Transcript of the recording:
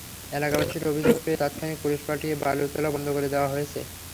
এলাকাবাসীর অভিযোগ পেয়ে তাৎক্ষণিক পুলিশ পাঠিয়ে বালু তোলা বন্ধ করে দেওয়া হয়েছে।